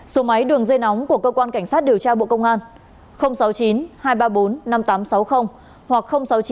số máy đường dây nóng của cơ quan cảnh sát điều tra bộ công an sáu mươi chín hai trăm ba mươi bốn năm nghìn tám trăm sáu mươi hoặc sáu mươi chín hai trăm ba mươi hai một nghìn sáu trăm sáu mươi